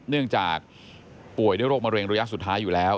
เนื่องจากป่วยด้วยโรคมะเร็งระยะสุดท้ายอยู่แล้ว